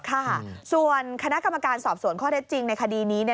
ค่ะส่วนคณะกรรมการสอบสวนข้อเท็จจริงในคดีนี้